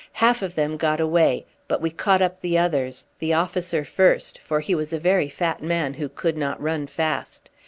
Half of them got away; but we caught up the others, the officer first, for he was a very fat man who could not run fast.